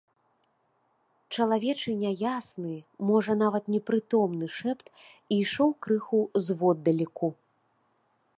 Чалавечы няясны, можа нават непрытомны, шэпт ішоў крыху зводдалеку.